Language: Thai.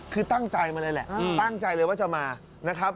คือตั้งใจมาเลยแหละตั้งใจเลยว่าจะมานะครับ